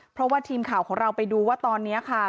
เพราะว่าทีมข่าวของเราไปดูว่าตอนนี้ค่ะ